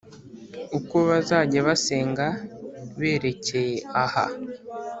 uko bazajya basenga berekeye aha